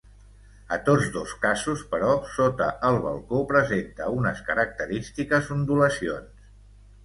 A tots dos casos, però, sota el balcó presenta unes característiques ondulacions.